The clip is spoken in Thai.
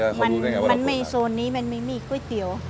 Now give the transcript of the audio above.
มันมันไม่โซนนี้มันไม่มีก๋วยเตี๋ยว